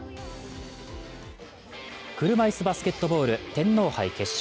車いすバスケットボール天皇杯決勝。